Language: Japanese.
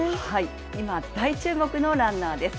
今、大注目のランナーです。